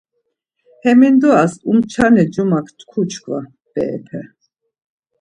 Hemindoras umçane cumak tku çkva, Berepe!